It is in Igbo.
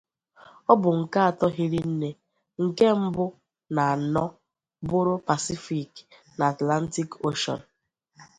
O bu nke ato hiri nne, nke mbu na ano buru "Pacific" na "Atlantic Ocean".